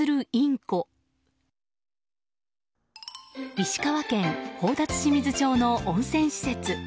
石川県宝達志水町の温泉施設。